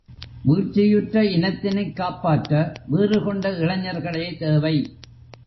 வீழ்ச்சியுற்ற இனத்தினைக் காப்பாற்ற வீறு கொண்ட இளைஞர்களே தேவை.